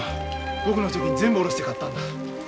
僕の貯金全部下ろして買ったんだ。